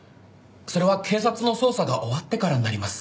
それは警察の捜査が終わってからになります。